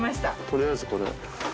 取りあえずこれ。